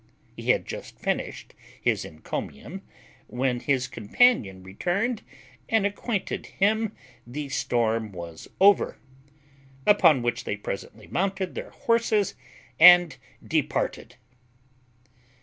He had just finished his encomium when his companion returned and acquainted him the storm was over. Upon which they presently mounted their horses and departed.